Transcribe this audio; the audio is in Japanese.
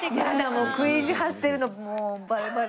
もう食い意地張ってるのバレバレ。